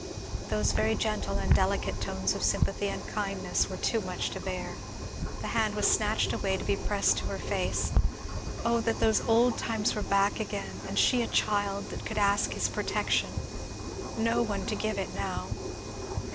Those very gentle and delicate tones of sympathy and kindness Were too much to bear. The hand was snatched away to be pressed to her face. Oh that those old times were back again, and she a child that could ask his protection! No one to give it now.